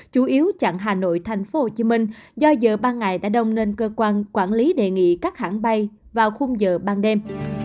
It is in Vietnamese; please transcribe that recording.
chủ yếu chặn hà nội tp hcm do giờ ban ngày đã đông nên cơ quan quản lý đề nghị các hãng bay vào khung giờ ban đêm